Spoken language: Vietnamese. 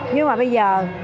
nhưng mà bây giờ